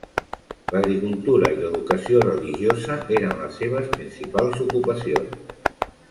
L"agricultura i l"educació religiosa eren les seves principals ocupacions.